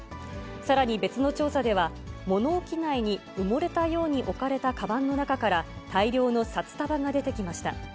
さらに別の調査では、物置内に埋もれたように置かれたかばんの中から、大量の札束が出てきました。